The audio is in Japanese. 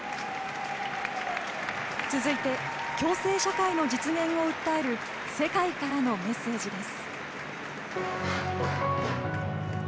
続いて、共生社会の実現を訴える世界からのメッセージです。